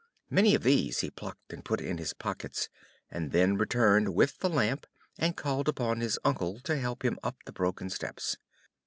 Many of these he plucked and put in his pockets, and then returned with the Lamp, and called upon his uncle to help him up the broken steps.